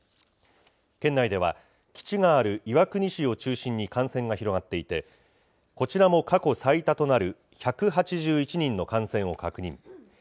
県内では、基地がある岩国市を中心に感染が広がっていて、こちらも過去最多となる１８１人の感染を確認。